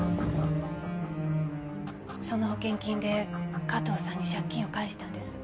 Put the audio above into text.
その保険金で加藤さんに借金を返したんです。